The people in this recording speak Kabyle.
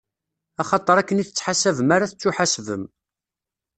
Axaṭer akken i tettḥasabem ara tettuḥasbem.